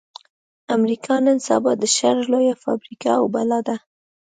امريکا نن سبا د شر لويه فابريکه او بلا ده.